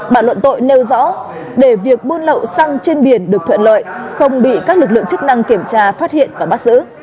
bản luận tội nêu rõ để việc buôn lậu xăng trên biển được thuận lợi không bị các lực lượng chức năng kiểm tra phát hiện và bắt giữ